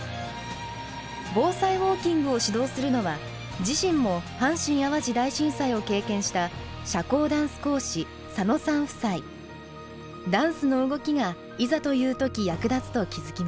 「防災ウォーキング」を指導するのは自身も阪神・淡路大震災を経験したダンスの動きがいざという時役立つと気付きました。